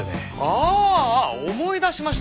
あーあー思い出しました。